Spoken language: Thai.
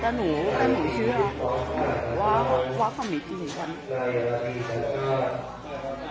แต่หนูเชื่อว่าความมีจริงกว่านี้